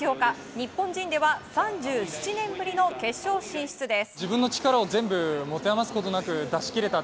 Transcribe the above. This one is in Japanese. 日本人では３７年ぶりの決勝進出です。